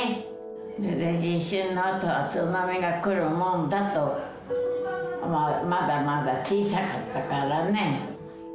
地震のあとは津波が来るもんだと、まだまだ小さかったからね。